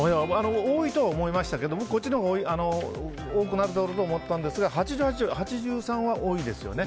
多いとは思いましたけどこっちのほうが多くなるだろうと思ったんですが８３％は多いですよね。